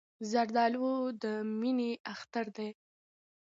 زردالو د مینې اختر دی.